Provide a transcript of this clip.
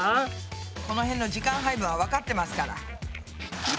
このへんの時間配分はわかってますから。